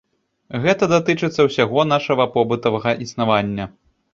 Гэта датычыцца ўсяго нашага побытавага існавання.